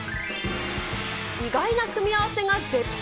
意外な組み合わせが絶品！